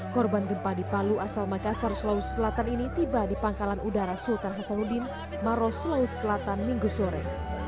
korban gempa di palu asal makassar sulawesi selatan ini tiba di pangkalan udara sultan hasanuddin maros sulawesi selatan minggu sore